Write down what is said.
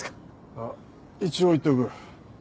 ああ一応言っておく。